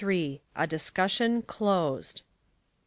A DISCUSSION CLOSED.